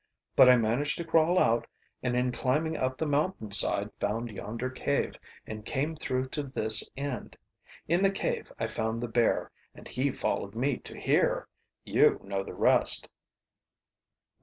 But I managed to crawl out, and in climbing up the mountain side found yonder cave and came through to this end. In the cave I found the bear and he followed me to here. You know the rest."